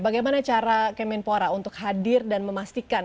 bagaimana cara kemenpora untuk hadir dan memastikan